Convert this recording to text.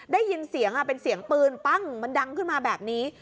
ได้ยินเสียงเป็นเสียงปืนปั้งมันดังขึ้นมาแบบนี้